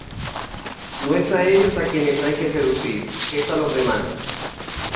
No es a ellos a quienes hay que seducir, es a los demás.